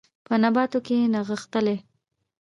په نباتو کې نغښتلي